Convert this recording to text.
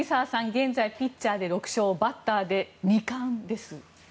現在、ピッチャーで６勝バッターで２冠です、今。